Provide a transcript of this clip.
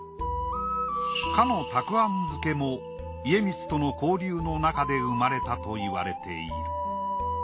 かの沢庵漬けも家光との交流の中で生まれたと言われている。